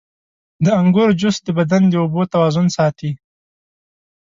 • د انګورو جوس د بدن د اوبو توازن ساتي.